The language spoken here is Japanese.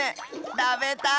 たべたい！